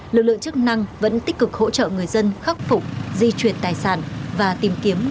lực lượng chức năng vẫn nỗ lực tìm kiếm